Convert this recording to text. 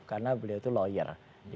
karena beliau itu lawyer